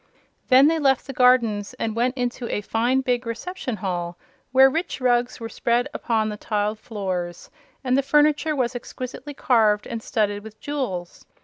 Then they left the gardens and went into a fine, big reception hall, where rich rugs were spread upon the tiled floors and the furniture was exquisitely carved and studded with jewels.